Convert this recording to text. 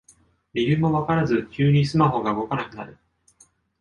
理由もわからず急にスマホが動かなくなる